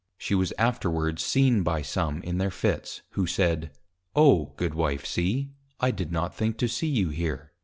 She was afterwards seen by some in their Fits, who said, _O +Goodw. C.+ I did not think to see you here!